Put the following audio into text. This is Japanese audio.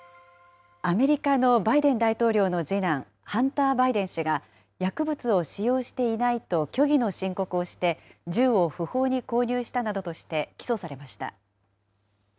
アメリカのバイデン大統領の次男、ハンター・バイデン氏が薬物を使用していないと虚偽の申告をして、銃を不法に購入したなどとして、起訴されました。